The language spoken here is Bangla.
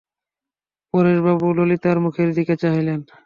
পরেশবাবু ললিতার মুখের দিকে চাহিলেন।